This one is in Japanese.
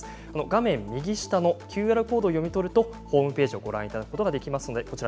画面右下のＱＲコードを読み取るとホームページをご覧いただけます。